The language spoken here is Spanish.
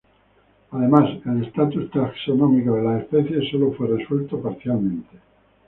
Además, el estatus taxonómico de las especies sólo fue resuelto parcialmente.